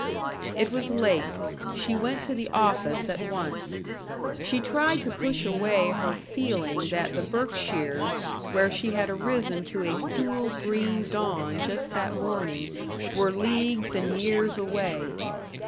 It was late. She went to the office at once. She tried to push away her feeling that the Berkshires, where she had arisen to a cool green dawn just that morning, were leagues and years away.